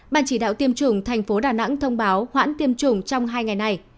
ban chỉ đạo tiêm chủng tp đà nẵng thông báo hoãn tiêm chủng trong hai ngày này